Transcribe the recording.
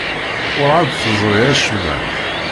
Werɛad teẓri acemma.